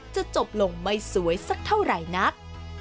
จะจบลงไม่สวยสักเท่าไหร่นัก